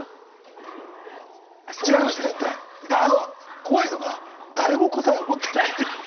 怖いのが誰も答えを持ってないっていう。